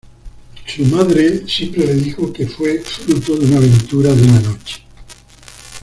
Su madre siempre le dijo que fue fruto de una aventura de una noche.